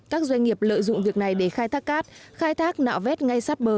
các doanh nghiệp lợi dụng việc này để khai thác cát khai thác nạo vét ngay sát bờ